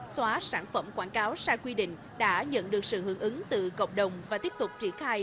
xóa sản phẩm quảng cáo sai quy định đã nhận được sự hưởng ứng từ cộng đồng và tiếp tục triển khai